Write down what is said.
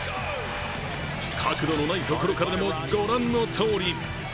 角度のない所からでもご覧のとおり。